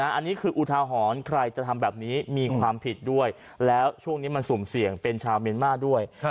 อันนี้คืออุทาหรณ์ใครจะทำแบบนี้มีความผิดด้วยแล้วช่วงนี้มันสุ่มเสี่ยงเป็นชาวเมียนมาร์ด้วย